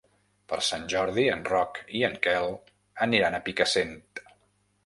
Per Sant Jordi en Roc i en Quel aniran a Picassent.